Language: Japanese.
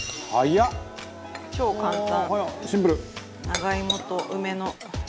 超簡単。